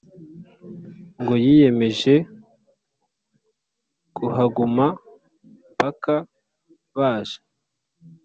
ngo yiyemeje kuhaguma mpaka baje